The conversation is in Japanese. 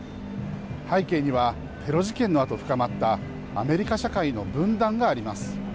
背景にはテロ事件のあと深まったアメリカ社会の分断があります。